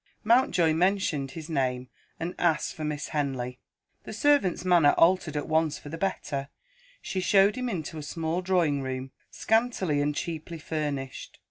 Mountjoy mentioned his name, and asked for Miss Henley. The servant's manner altered at once for the better; she showed him into a small drawing room, scantily and cheaply furnished.